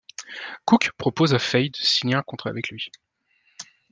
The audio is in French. Cook propose à Faye de signer un contrat avec lui.